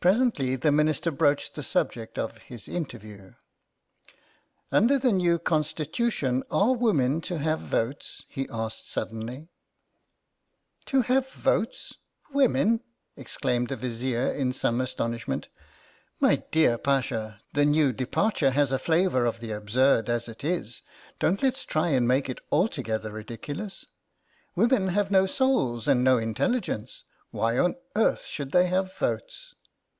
Presently the Minister broached the subject of his interview. " Under the new Constitution are women to have votes ?" he asked suddenly. "To have votes? Women?" exclaimed the Vizier in some astonishment. " My dear 38 YOUNG TURKISH CATASTROPHE 39 Pasha, the New Departure has a flavour of the absurd as it is ; don't let's try and make it altogether ridiculous. Women have no souls and no intelligence; why on earth should they have votes